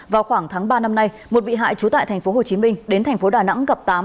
vào khoảng tháng ba năm nay một bị hại chú tại thành phố hồ chí minh đến thành phố đà nẵng gặp tám